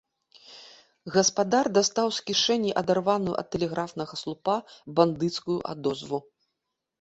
Гаспадар дастаў з кішэні адарваную ад тэлеграфнага слупа бандыцкую адозву.